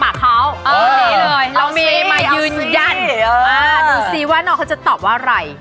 ดูสิว่านอกจะตอบว่าไหน